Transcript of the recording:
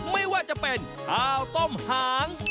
ไม่ว่าจะเป็นข้าวต้มหาง